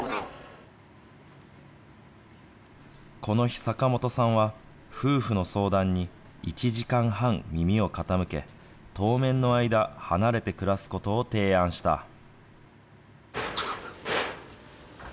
この日、坂本さんは、夫婦の相談に１時間半耳を傾け、当面の間、離れて暮らすことを提案した。